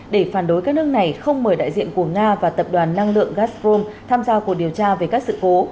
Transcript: để phản đối các nước này không mời đại diện của nga và tập đoàn năng lượng gazprom tham gia cuộc điều tra về các sự cố